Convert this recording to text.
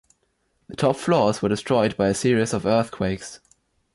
The top floors were destroyed by a series of earthquakes.